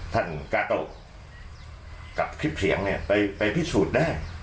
กาโตกับคลิปเสียงเนี่ยไปพิสูจน์ได้